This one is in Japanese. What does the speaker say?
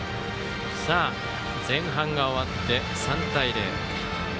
前半が終わって、３対０。